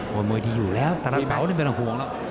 มือดีอยู่แล้วแต่เสานี่เป็นห่วงแล้ว